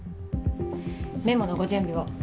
メモのご準備を。